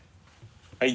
はい。